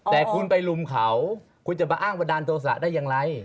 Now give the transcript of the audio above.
แต่คุณไปลุมเขาคุณจะมาอ้างบันดาลโทษะได้อย่างไร